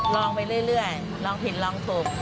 ลองไปเรื่อยลองผิดลองถูก